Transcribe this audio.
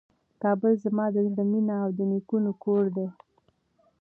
کابل زما د زړه مېنه او د نیکونو کور دی.